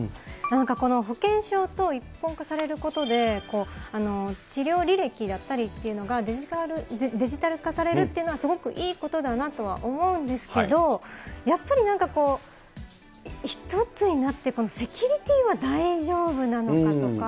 この保険証と一本化されることで、治療履歴だったりっていうのがデジタル化されるっていうのはすごくいいことだなとは思うんですけど、やっぱり、なんかこう、一つになって、この、セキュリティーは大丈夫なのかとか。